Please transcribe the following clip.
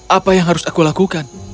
apa yang harus aku lakukan